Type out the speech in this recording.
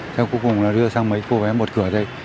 theo cuối cùng là đưa sang mấy cô bé một cửa đây